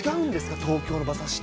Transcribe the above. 東京の馬刺しと。